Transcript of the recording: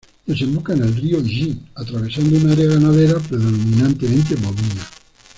Desemboca en el río Yi, atravesando un área ganadera predominantemente bovina.